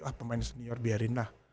ah pemain senior biarin lah